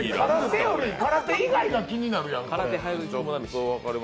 空手以外が気になるやん、これ！